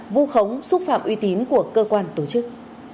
vu khống xúc phạm uy tín của cơ quan tổ chức